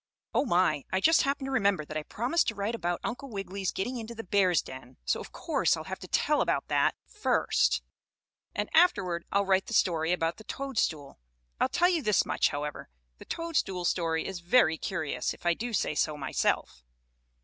Oh, my! I just happened to remember that I promised to write about Uncle Wiggily getting into the bear's den, so of course I'll have to tell about that first, and afterward I'll write the story about the toadstool. I'll tell you this much, however, the toadstool story is very curious, if I do say so myself.